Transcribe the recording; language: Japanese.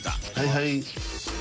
はい。